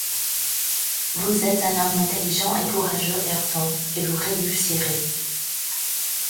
Vous êtes un homme intelligent et courageux, Ayrton, et vous réussirez.